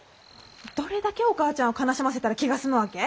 どれだけお母ちゃんを悲しませたら気が済むわけ？